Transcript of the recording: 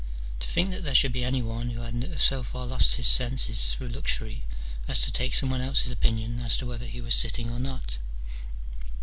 To think that there should be any one who had so far lost his senses through luxury as to take some one else's opinion as to whether he was sitting or not